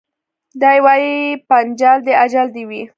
دی وايي پنچال دي اجل دي وي